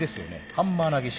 ハンマー投げ式。